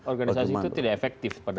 organisasi itu tidak efektif pada akhirnya